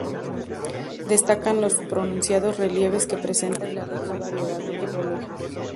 Destacan los pronunciados relieves que presenta y la rica variedad ecológica.